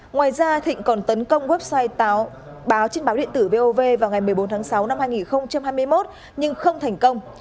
ngoài ra thịnh còn tấn công website báo trên báo điện tử vov vào ngày một mươi bốn tháng sáu năm hai nghìn hai mươi một nhưng không thành công